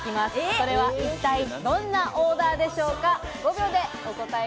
それは一体どんなオーダーでしょうか？